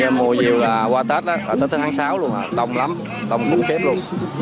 mùa diều là qua tết tết tháng sáu luôn đông lắm đông cuốn kép luôn